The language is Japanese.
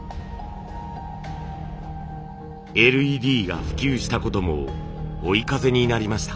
ＬＥＤが普及したことも追い風になりました。